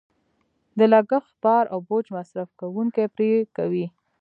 د لګښت بار او بوج مصرف کوونکې پرې کوي.